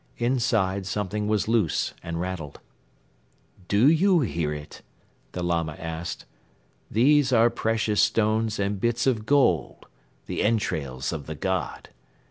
Inside something was loose and rattled. "Do you hear it?" the Lama asked. "These are precious stones and bits of gold, the entrails of the god.